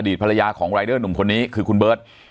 ภรรยาของรายเดอร์หนุ่มคนนี้คือคุณเบิร์ต